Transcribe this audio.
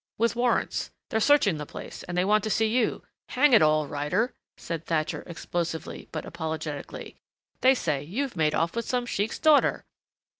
With warrants. They're searching the place. And they want to see you.... Hang it all, Ryder," said Thatcher explosively but apologetically, "they say you've made off with some sheik's daughter."